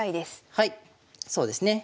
はいそうですね。